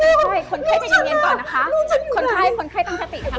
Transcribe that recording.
ไม่ใช่คนไข้จะเย็นเย็นก่อนนะคะลูกฉันอยู่ไหนคนไข้คนไข้ต้องสติค่ะ